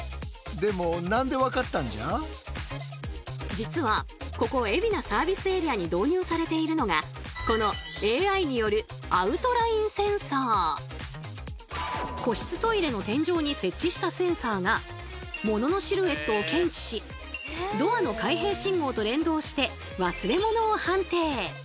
実はここ海老名サービスエリアに導入されているのがこの個室トイレの天井に設置したセンサーが物のシルエットを検知しドアの開閉信号と連動して「忘れ物」を判定。